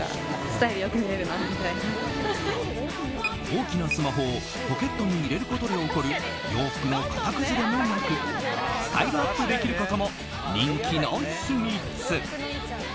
大きなスマホをポケットに入れることで起こる洋服の型崩れもなくスタイルアップできることも人気の秘密。